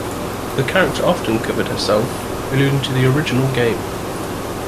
The character often covered herself, alluding to the original game.